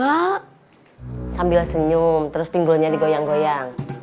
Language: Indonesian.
terus sambil senyum terus pinggulnya digoyang goyang